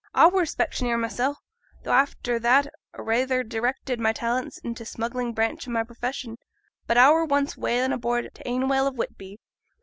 'A were a specksioneer mysel, though, after that, a rayther directed my talents int' t' smuggling branch o' my profession; but a were once a whaling aboord t' Ainwell of Whitby.